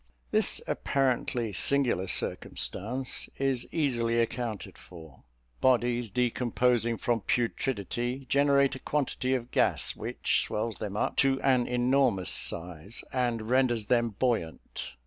This apparently singular circumstance is easily accounted for. Bodies decomposing from putridity, generate a quantity of gas, which swells them up to an enormous size, and renders them buoyant.